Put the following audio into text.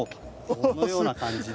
このような感じで。